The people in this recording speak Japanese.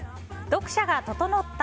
読者が整った！